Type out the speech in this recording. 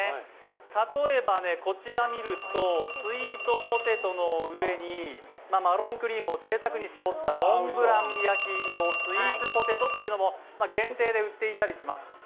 例えば、こちらをみるとスイートポテトの上にマロンクリームをぜいたくにしぼったモンブラン焼き芋スイーツポテトというのも限定で売っていたりします。